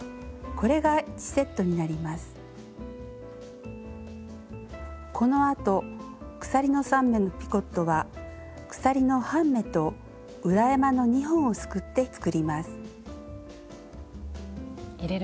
このあと鎖の３目のピコットは鎖の半目と裏山の２本をすくって作ります。